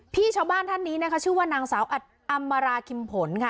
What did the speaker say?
ชาวบ้านท่านนี้นะคะชื่อว่านางสาวอัดอำมาราคิมผลค่ะ